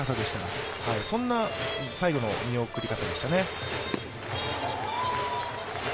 そんな最後の見送り方でしたね。